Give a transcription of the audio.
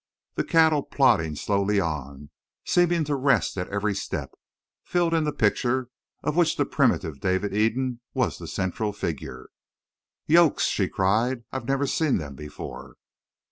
The cattle plodding slowly on, seeming to rest at every step, filled in the picture of which the primitive David Eden was the central figure. "Yokes," she cried. "I've never seen them before!"